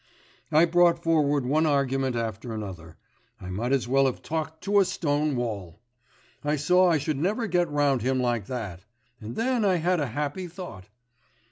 I brought forward one argument after another.... I might as well have talked to a stone wall! I saw I should never get round him like that. And then I had a happy thought!